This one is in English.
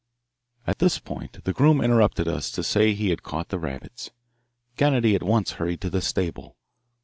At this point the groom interrupted us to say that he had caught the rabbits. Kennedy at once hurried to the stable.